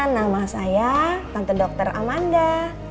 nama saya tante dokter amanda